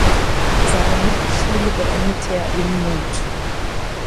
Seine Mittelschule beendete er in Mut.